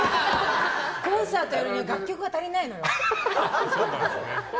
コンサートやるには楽曲が足りないのよ。